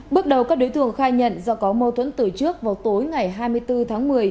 bước đầu các đối tượng khai nhận do có mâu thuẫn từ trước vào tối ngày hai mươi bốn tháng một mươi